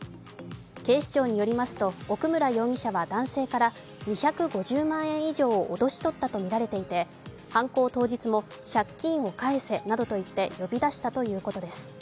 警視庁によりますと、奥村容疑者は男性から２５０万円以上を脅し取ったとみられていて犯行当日も借金を返せなどと言って呼び出したと言うことです。